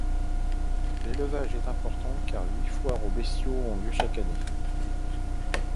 L'élevage est important car huit foires aux bestiaux ont lieu chaque année.